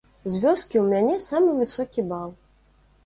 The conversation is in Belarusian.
З вёскі ў мяне самы высокі бал.